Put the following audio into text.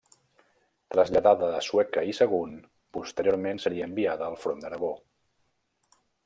Traslladada a Sueca i Sagunt, posteriorment seria enviada al front d'Aragó.